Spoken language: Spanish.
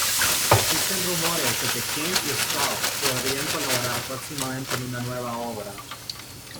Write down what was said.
Existen rumores de que King y Straub podrían colaborar próximamente en una nueva obra.